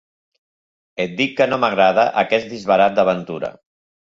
Et dic que no m'agrada aquest disbarat d'aventura.